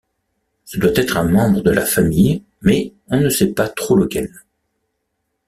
Ce doit être un membre de la famille, mais on ne sait trop lequel.